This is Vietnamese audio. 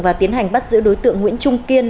và tiến hành bắt giữ đối tượng nguyễn trung kiên